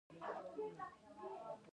ښوونکي څنګه روزل کیږي؟